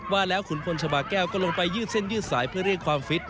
ว่าแล้วขุนพลชาบาแก้วก็ลงไปยืดเส้นยืดสายเพื่อเรียกความฟิต